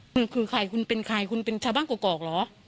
คือใครคุณเป็นใครคุณเป็นชาวบ้านกรอกเหรอ